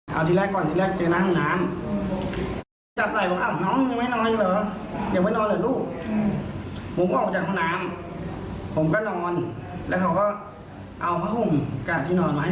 เห็นว่าธุ์เรียกผมถามว่าทำอะไรน้องเขา